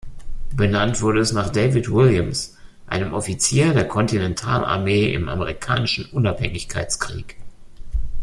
Benannt wurde es nach David Williams, einem Offizier der Kontinentalarmee im Amerikanischen Unabhängigkeitskrieg.